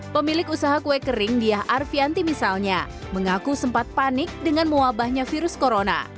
pemilik usaha kue kering diyah arvianti misalnya mengaku sempat panik dengan muabahnya virus corona